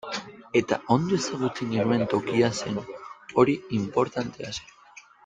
Eta ondo ezagutzen genuen tokia zen, hori inportantea zen.